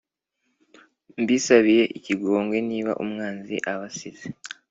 Mbisabiye ikigongwe Niba umwanzi abasize